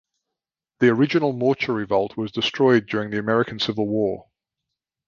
The original mortuary vault was destroyed during the American Civil War.